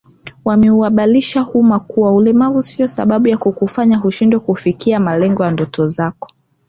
Wameuhabarisha umma kuwa ulemavu sio sababu ya kukufanya ushindwe kufikia malengo ndoto zako